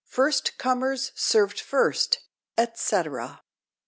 FIRST COMERS SERVED FIRST, ETCETERA.